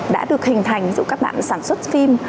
đã được hình thành dù các bạn sản xuất phim